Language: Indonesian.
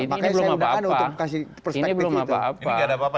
ini belum apa apa